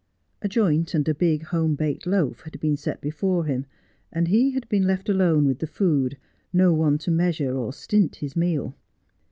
A joint and a big home baked loaf had been set before him, and he had been left alone with the food, no one to measure or stint his meal.